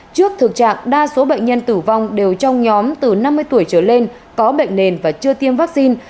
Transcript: trước thực trạng đa số bệnh nhân tử vong đều trong nhóm từ năm mươi tuổi trở lên có bệnh nền và chưa tiêm vaccine